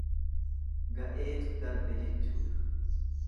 Ga'eetu darbe jechuudha.